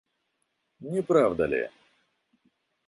Не правда ли?